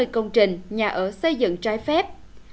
hai mươi công trình nhà ở xây dựng trái phép